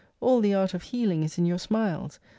All the art of healing is in your smiles!